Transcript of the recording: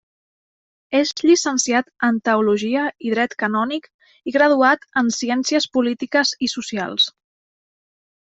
És Llicenciat en teologia i Dret canònic i graduat en ciències polítiques i socials.